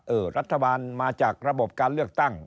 รัฐบาลมาจากระบบการเลือกตั้ง